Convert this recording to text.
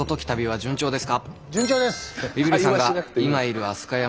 順調です。